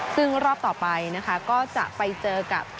ซึ่งรอบต่อไปนะคะก็จะไปเจอกับ